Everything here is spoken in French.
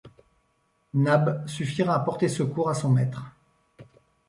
Nab suffira à porter secours à son maître.